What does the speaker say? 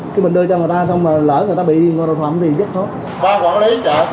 khi mình đưa cho người ta xong lỡ người ta bị đồ thoẩm thì rất khó